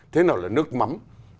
thế nào là nước mắm